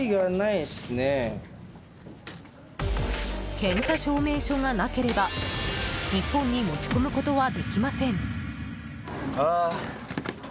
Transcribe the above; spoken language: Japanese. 検査証明書がなければ日本に持ち込むことはできません。